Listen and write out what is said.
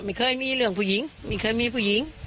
ไม่เคยมีเรื่องผู้หญิงไม่เคยมีผู้หญิง